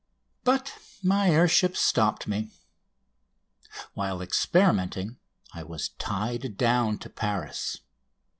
But my air ships stopped me. While experimenting I was tied down to Paris.